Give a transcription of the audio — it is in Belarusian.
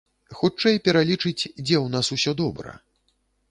Хутчэй пералічыць, дзе ў нас усё добра.